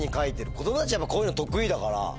子供たちやっぱこういうの得意だから。